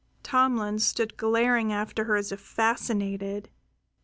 Tomlin stood glaring after her as if fascinated.